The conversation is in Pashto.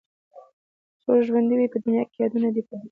څو ژوندي وي په دنيا کې يادوي دې په دعا